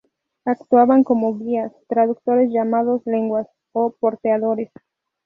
Actuaban como guías, traductores llamados lenguas, o porteadores.